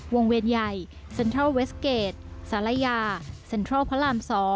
เวรใหญ่เซ็นทรัลเวสเกจสารยาเซ็นทรัลพระราม๒